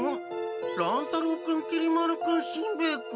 乱太郎君きり丸君しんべヱ君。